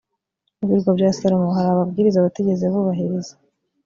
mu birwa bya salomo hari ababwiriza batigeze bubahiriza